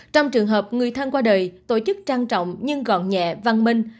trong trường hợp người thân qua đời tổ chức trang trọng nhưng gọn nhẹ văn minh